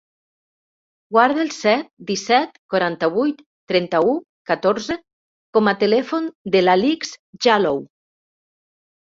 Guarda el set, disset, quaranta-vuit, trenta-u, catorze com a telèfon de l'Alix Jallow.